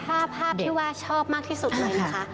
ถ้าภาพที่ว่าชอบมากที่สุดเลยนะคะ